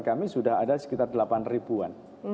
kami sudah ada sekitar delapan ribuan